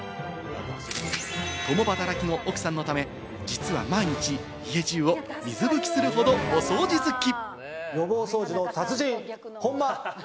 共働きの奥さんのため、実は毎日家中を水拭きするほどお掃除好き。